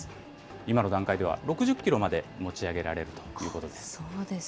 今の段階では、６０キロまで持ち上げられるということです。